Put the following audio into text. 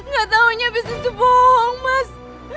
gak taunya habis itu bohong mas